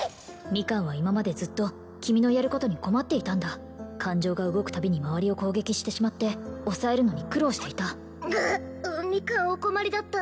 ミカンは今までずっと君のやることに困っていたんだ感情が動くたびに周りを攻撃してしまって抑えるのに苦労していたんがっミカンお困りだった？